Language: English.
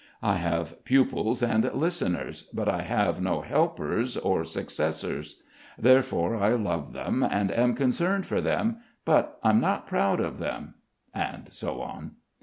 I have pupils and listeners, but I have no helpers or successors. Therefore I love them and am concerned for them, but I'm not proud of them ... and so on.